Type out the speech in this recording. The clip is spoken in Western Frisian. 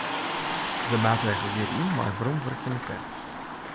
De maatregel giet yn mei weromwurkjende krêft.